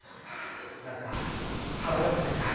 何か腹が立って来た。